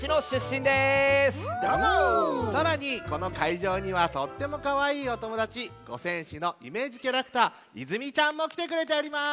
さらにこのかいじょうにはとってもかわいいおともだち五泉市のイメージキャラクターいずみちゃんもきてくれております！